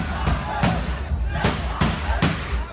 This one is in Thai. มันอาจจะไม่เอาเห็น